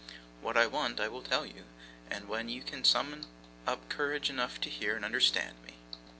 What I want I will tell you, when you can summon up courage enough to hear and understand me.